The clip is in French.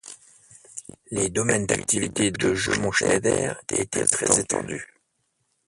Les domaines d'activité de Jeumont-Schneider étaient très étendus.